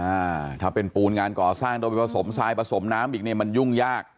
อ่าถ้าเป็นปูนงานก่อสร้างโดยไปผสมทรายผสมน้ำอีกเนี่ยมันยุ่งยาก